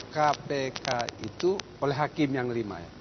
kpk itu oleh hakim yang lima ya